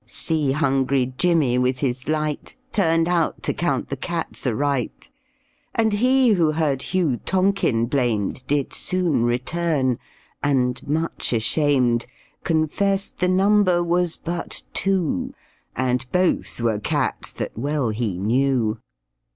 See hungry Jimmy with his light, Turned out to count the cats aright; And he who had Hugh Tonkin blamed Did soon return, and, much ashamed, Confessed the number was but two, And both were cats that well he knew.